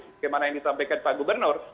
bagaimana yang ditampilkan pak gubernur